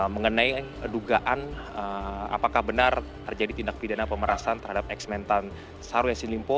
mengenai dugaan apakah benar terjadi tindak pidana pemberasan terhadap eksmentan syahrul yassin limpo